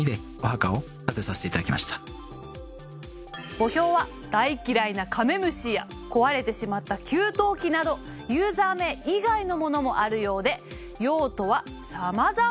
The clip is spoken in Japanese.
墓標は大嫌いなカメムシや壊れてしまった給湯器などユーザー名以外のものもあるようで用途はさまざま。